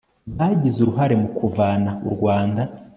bagize uruhare mu kuvana u rwanda